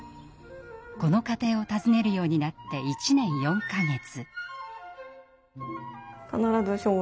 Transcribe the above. この家庭を訪ねるようになって１年４か月。